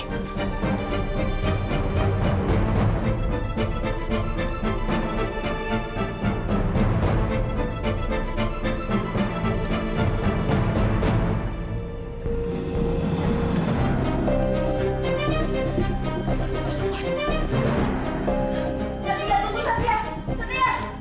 satria tunggu satria